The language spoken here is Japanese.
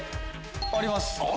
あります。